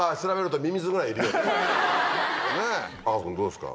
赤楚君どうですか？